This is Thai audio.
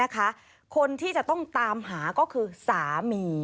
คนที่จะต้องตามหาก็คือสามี